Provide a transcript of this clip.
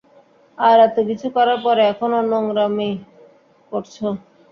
তারা এতকিছু করার পরে, এখনো নোংরামী করছে।